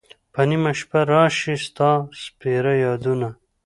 په نیمه شپه را شی ستا سپیره یادونه